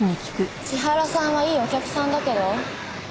千原さんはいいお客さんだけど？